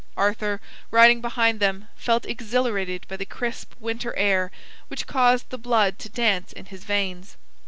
Arthur, riding behind them, felt exhilarated by the crisp winter air which caused the blood to dance in his veins.